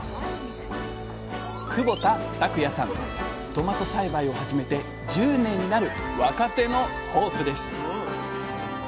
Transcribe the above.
トマト栽培を始めて１０年になる若手のホープです！